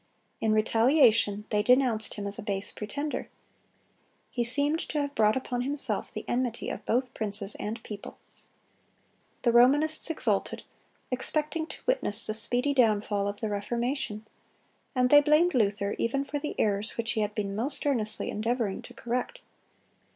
In retaliation they denounced him as a base pretender. He seemed to have brought upon himself the enmity of both princes and people. The Romanists exulted, expecting to witness the speedy downfall of the Reformation; and they blamed Luther, even for the errors which he had been most earnestly endeavoring to correct.